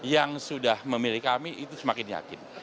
yang sudah memilih kami itu semakin yakin